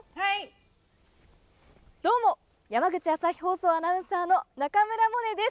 どうも山口朝日放送アナウンサーの中村萌音です。